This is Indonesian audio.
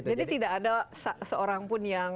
jadi tidak ada seorangpun yang